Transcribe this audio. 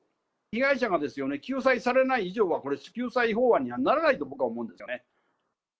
被害者が救済されない以上は、これ、救済法案にはならないと僕は思うんですよね。